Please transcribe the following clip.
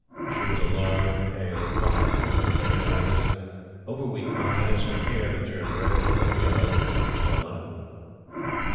She was a large, pale, quiet woman, with heavy eyelids, over weak eyes, and hair that turned red or yellow as the lights fell on it.